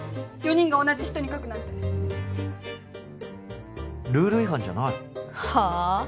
４人が同じ人に書くなんてルール違反じゃないはあ！？